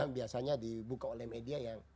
biasanya dibuka oleh media ya kan